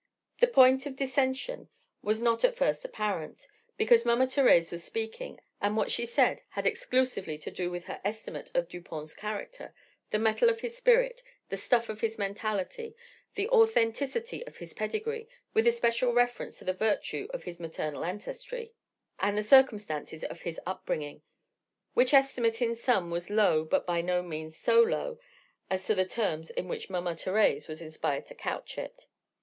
The point of dissension was not at first apparent, because Mama Thérèse was speaking, and what she said had exclusively to do with her estimate of Dupont's character, the mettle of his spirit, the stuff of his mentality, the authenticity of his pedigree (with especial reference to the virtue of his maternal ancestry) and the circumstances of his upbringing; which estimate in sum was low but by no means so low as the terms in which Mama Thérèse was inspired to couch it.